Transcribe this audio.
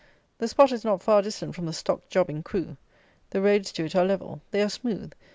The spot is not far distant from the Stock Jobbing crew. The roads to it are level. They are smooth.